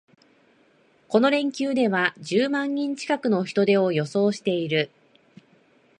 この連休では十万人近くの人出を予想している